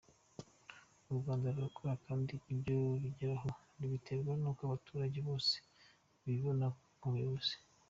U Rwanda rurakora kandi ibyo rugeraho rubiterwa n’uko abaturage bose bibona mu buyobozi.